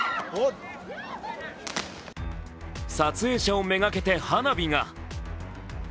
撮影者をめがけて花火が。